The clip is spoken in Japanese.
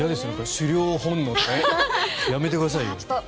狩猟本能とかやめてくださいよ。